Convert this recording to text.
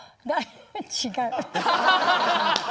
違う。